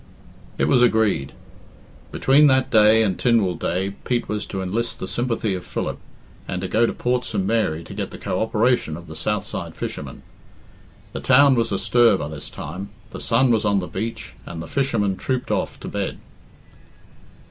It was agreed. Between that day and Tynwald day Pete was to enlist the sympathy of Philip, and to go to Port St. Mary to get the co operation of the south side fishermen. The town was astir by this time, the sun was on the beach, and the fishermen trooped off to bed.